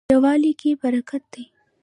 یووالي کې برکت دی